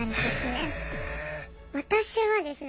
私はですね